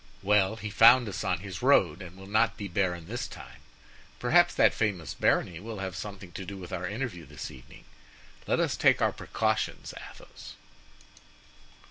Well, he found us on his road and will not be baron this time. Perhaps that famous barony will have something to do with our interview this evening. Let us take our precautions, Athos."